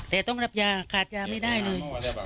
แต่ต้องรับยาขาดยาไม่ได้เลย